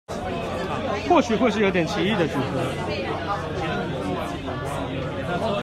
或許會是有點奇異的組合